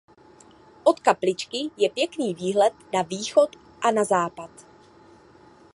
Od kapličky je pěkný výhled na východ a na západ.